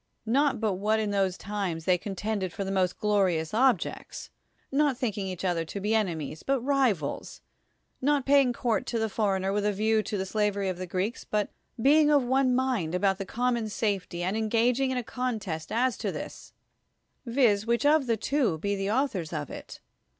Not but what in those times they contended for the most glorious objects, not thinking each other to be enemies, but rivals, not paying court to the foreigner with a view to the slavery of the Creeks, but being of one mind about the common safety, and engaging in a cou 91 THE WORLD'S FAMOUS ORATIONS test as to this, viz., which of the two shall be the authors of it.